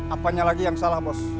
apanya lagi yang salah bos